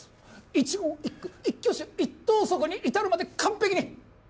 一言一句一挙手一投足に至るまで完璧に！